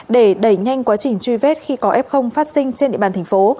để đẩy nhanh quá trình truy vết khi có f phát sinh trên địa bàn thành phố